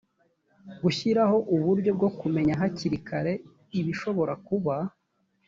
gushyiraho uburyo bwo kumenya hakiri kare ibishobora kuba